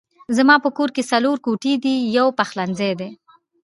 زما په کور کې څلور کوټې دي يو پخلنځی دی